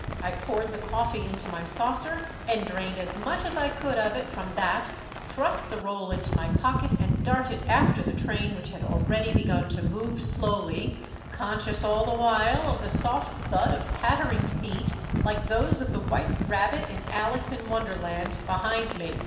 I poured the coffee into my saucer and drained as much as I could of it from that, thrust the roll into my pocket, and darted after the train, which had already begun to move slowly, conscious all the while of the soft thud of pattering feet, like those of the white rabbit in "Alice in Wonderland," behind me.